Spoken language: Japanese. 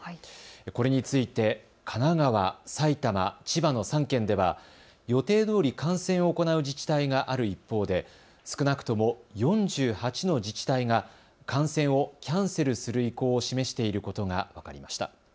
これについて神奈川、埼玉、千葉の３県では予定どおり観戦を行う自治体がある一方で少なくとも４８の自治体が観戦をキャンセルする意向を示していることが分かりました。